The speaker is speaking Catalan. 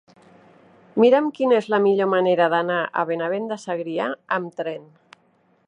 Mira'm quina és la millor manera d'anar a Benavent de Segrià amb tren.